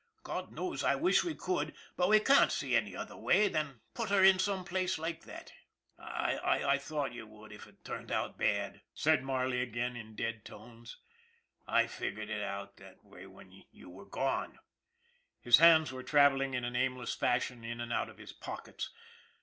God knows I wish we could, but we can't see any other way than put her in some place like that." 232 ON THE IRON AT BIG CLOUD " I thought you would if it turned out bad/' said Marley again, in dead tones. " I figured it out that way when you were gone." His hands were travel ing in an aimless fashion in and out of his pockets.